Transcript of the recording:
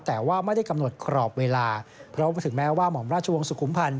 แต่ว่าไม่ได้กำหนดกรอบเวลาเพราะถึงแม้ว่าหม่อมราชวงศ์สุขุมพันธ